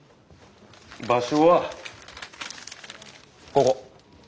場所はここ。